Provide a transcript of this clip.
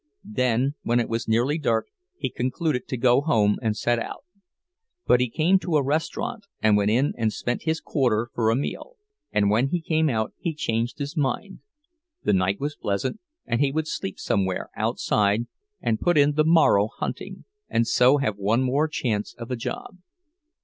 Then, when it was nearly dark, he concluded to go home, and set out; but he came to a restaurant, and went in and spent his quarter for a meal; and when he came out he changed his mind—the night was pleasant, and he would sleep somewhere outside, and put in the morrow hunting, and so have one more chance of a job.